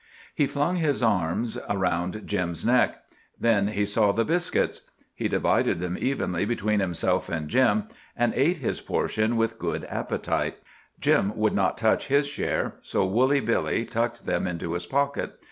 He flung his arms around Jim's neck. Then he saw the biscuits. He divided them evenly between himself and Jim, and ate his portion with good appetite. Jim would not touch his share, so Woolly Billy tucked them into his pocket.